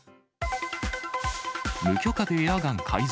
無許可でエアガン改造。